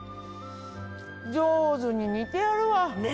上手に煮てあるわ。